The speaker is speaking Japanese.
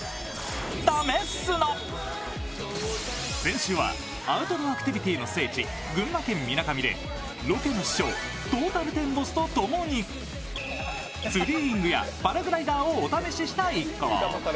先週は、アウトドアアクティビティーの聖地・群馬県・みなかみでロケの師匠・トータルテンボスと共にツリーイングやパラグライダーをお試しした一行。